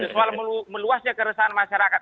soal meluasnya keresahan masyarakat